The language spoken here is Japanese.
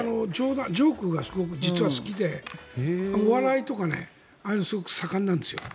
ジョークが実はすごく好きでお笑いとか、ああいうのすごく盛んなんですよ。